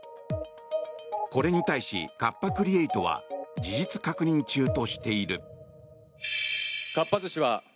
これに対しカッパ・クリエイトは事実確認中としている。